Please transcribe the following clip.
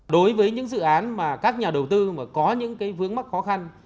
đối với những dự án mà các nhà đầu tư mà có những vướng mắc khó khăn